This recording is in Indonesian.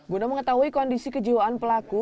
guna mengetahui kondisi kejiwaan pelaku